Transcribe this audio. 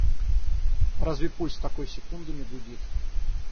Разве пульс такой секундами гудит?!